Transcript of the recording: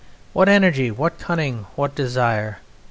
"What energy! What cunning! What desire!